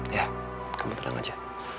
ya kamu tenang aja